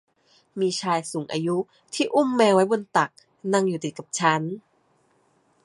มีชายสูงอายุที่อุ้มแมวไว้บนตักนั่งอยู่ติดกับฉัน